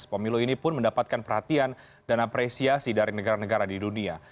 pemilu ini pun mendapatkan perhatian dan apresiasi dari negara negara di dunia